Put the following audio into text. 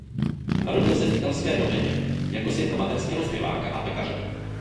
Narodil se v italské Modeně jako syn amatérského zpěváka a pekaře.